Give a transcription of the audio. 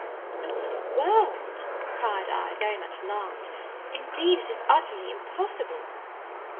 "Not for the world," cried I, very much alarmed: "indeed it is utterly impossible."